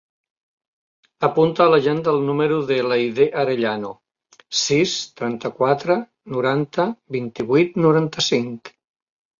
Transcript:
Apunta a l'agenda el número de l'Aidé Arellano: sis, trenta-quatre, noranta, vint-i-vuit, noranta-cinc.